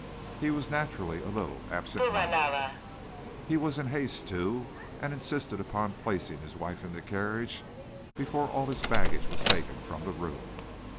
he was naturally a little absentminded. He was in haste, too, and insisted upon placing his wife in the carriage before all his baggage was taken from the room.